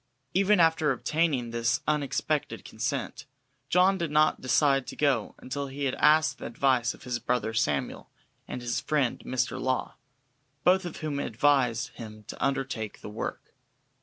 Even after obtaining this unexpected consent, John did not decide to go until he had asked the advice of his brother Samuel and his friend Mr. Law, both of whom advised him to undertake the work.